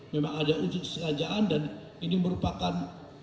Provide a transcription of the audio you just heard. memang ada ujuk sengajaan dan ini merupakan